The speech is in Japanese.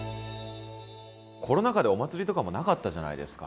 コロナ禍でお祭りとかもなかったじゃないですか。